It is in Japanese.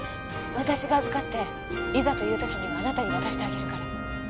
私が預かっていざという時にはあなたに渡してあげるから。